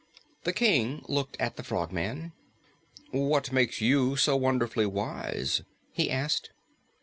The King looked at the Frogman. "What makes you so wonderfully wise?" he asked.